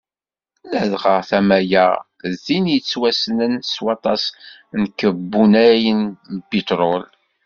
Ladɣa tama-a d tin i yettwassnen s waṭas n tkebbunay n lpitrul.